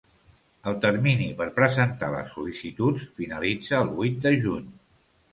El termini per presentar les sol·licituds finalitza el vuit de juny.